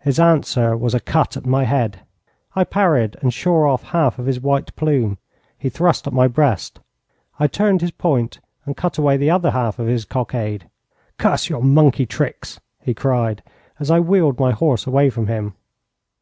His answer was a cut at my head. I parried and shore off half of his white plume. He thrust at my breast. I turned his point and cut away the other half of his cockade. 'Curse your monkey tricks!' he cried, as I wheeled my horse away from him.